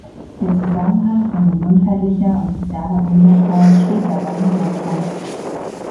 Der Zusammenhang von gesundheitlicher und sozialer Ungleichheit steht dabei im Zentrum.